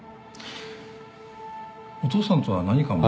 お父さんとは何か問題。